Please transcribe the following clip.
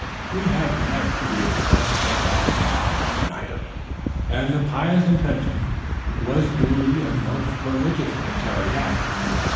We had met for the express purpose of making a night of it, and the pious intention was duly and most religiously carried out.